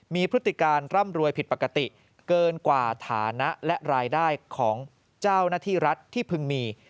มีพฤติการร่ำรวยผิดปกติเกินกว่าฐานะและรายได้ของเจ้าหน้าที่รัฐที่พึงมี